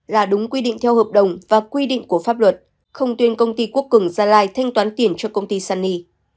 là đúng quy định theo hợp đồng và quy định của pháp luật không tuyên công ty quốc cường gia lai thanh toán tiền cho công ty sunny